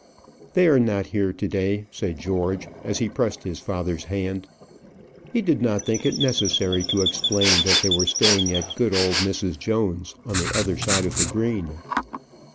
"They are not here to day," said George, as he pressed his father's hand. He did not think it necessary to explain that they were staying at good old Mrs. Jones's, on the other side of the Green.